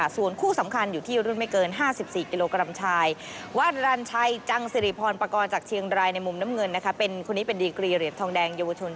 ส่วนคู่สำคัญอยู่ที่รุ่นไม่เกิน๕๔กกช